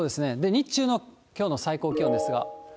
日中のきょうの最高気温ですが。